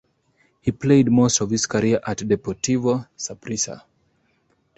He played most of his career at Deportivo Saprissa.